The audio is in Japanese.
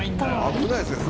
「危ないですよね。